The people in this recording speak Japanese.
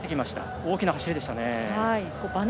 大きな走りでしたね。